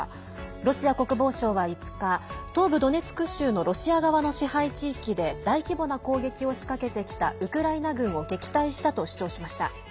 ロシア国防省は５日東部ドネツク州のロシア側の支配地域で大規模な攻撃を仕掛けてきたウクライナ軍を撃退したと主張しました。